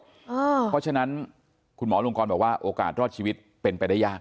เพราะฉะนั้นคุณหมอลงกรบอกว่าโอกาสรอดชีวิตเป็นไปได้ยาก